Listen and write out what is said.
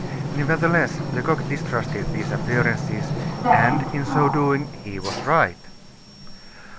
Nevertheless, Lecoq distrusted these appearances, and in so doing he was right.